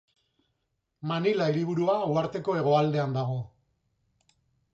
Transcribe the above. Manila hiriburua uharteko hegoaldean dago.